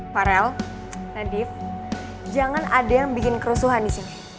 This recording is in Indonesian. farel nadif jangan ada yang bikin kerusuhan di sini